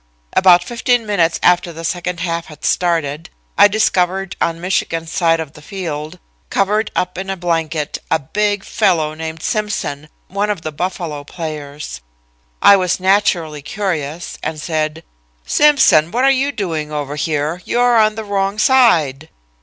"About fifteen minutes after the second half had started, I discovered on Michigan's side of the field, covered up in a blanket, a big fellow named Simpson, one of the Buffalo players. I was naturally curious, and said: "'Simpson, what are you doing over here? You are on the wrong side.'